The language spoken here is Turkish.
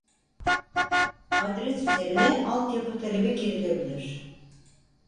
Adres üzerine alt yapı talebi girilebilir